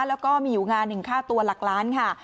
แล้วก็มีอยู่งานหนึ่งค่าตัวหลักล้านค่ะ